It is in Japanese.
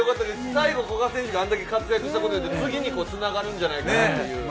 最後古賀選手が活躍したことによって次につながるんじゃないかなという。